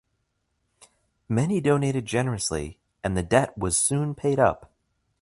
Many donated generously and the debt was soon paid up.